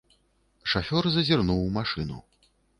Шафёр зазірнуў у машыну.